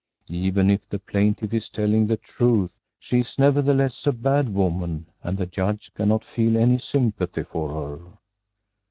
Even if the plaintiff is telling the truth, she is nevertheless a bad woman and the Judge cannot feel any sympathy for her.